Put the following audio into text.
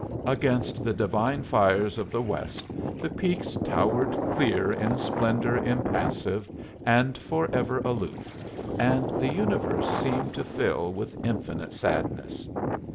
Against the divine fires of the west the peaks towered clear in splendor impassive, and forever aloof, and the universe seemed to fill with infinite sadness.